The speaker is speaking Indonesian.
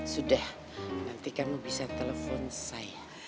sudah nanti kamu bisa telepon saya